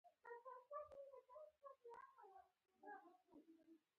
پوهه او شنل زموږ پخوانۍ کلمې دي.